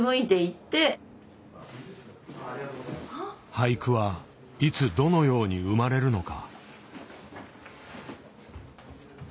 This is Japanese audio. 俳句はいつどのように生まれるのか。